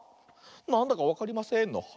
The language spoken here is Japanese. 「なんだかわかりません」の「はあ？」。